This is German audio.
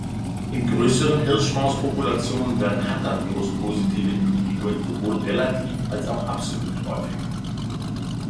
In größeren Hirschmaus-Populationen werden "Hantavirus"-positive Individuen sowohl relativ als auch absolut häufiger.